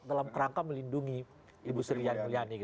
dalam kerangka melindungi ibu srian mulyani